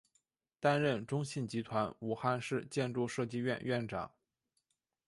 担任中信集团武汉市建筑设计院院长。